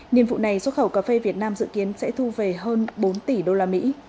nhiệm vụ này xuất khẩu cà phê việt nam dự kiến sẽ thu về hơn bốn tỷ usd